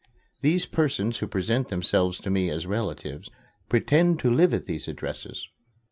These persons who present themselves to me as relatives pretend to live at these addresses.